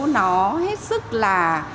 nó hết sức là